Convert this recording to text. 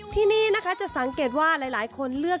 ที่นี่นะคะจะสังเกตว่าหลายคนเลือก